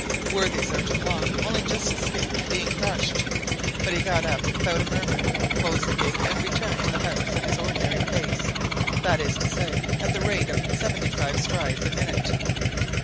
Worthy Sergeant Long only just escaped being crushed, but he got up without a murmur, closed the gate, and returned to the house at his ordinary pace, that is to say, at the rate of seventy five strides a minute.